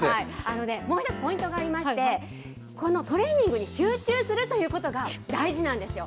もう１つポイントがありまして、このトレーニングに集中するということが大事なんですよ。